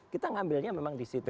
kita ngambilnya memang di situ